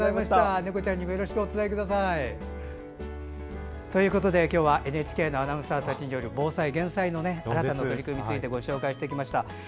猫ちゃんにもよろしくお伝えください。ということで、今日はＮＨＫのアナウンサーたちによる防災・減災の新たな取り組みをご紹介してきました。